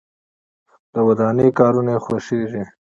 د ودانۍ کارونه یې خوښیږي.